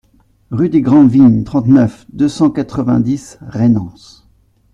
Rue des Grand Vignes, trente-neuf, deux cent quatre-vingt-dix Rainans